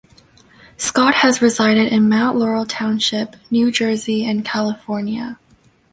Scott has resided in Mount Laurel Township, New Jersey, and California.